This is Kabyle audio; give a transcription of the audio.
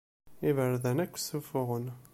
Iberdan akk sufuɣen.